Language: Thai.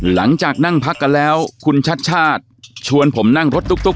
หลังจากนั่งพักกันแล้วคุณชัดชาติชวนผมนั่งรถตุ๊ก